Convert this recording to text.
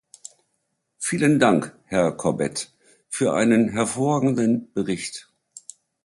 Vielen Dank, Herr Corbett, für einen hervorragenden Bericht.